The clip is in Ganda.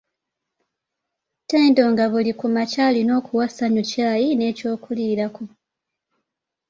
Ttendo nga buli ku makya alina okuwa Ssanyu kyayi n'ekyokuliraako.